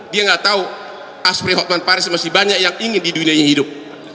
dia nggak tahu aspri hotman paris masih banyak yang ingin di dunianya hidup